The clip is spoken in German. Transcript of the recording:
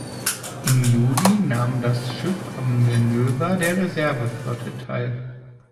Im Juli nahm das Schiff am Manöver der Reserve Flotte teil.